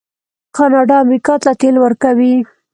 کاناډا امریکا ته تیل ورکوي.